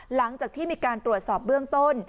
หลังจากที่มีการตรวจสอบเบื้องต้น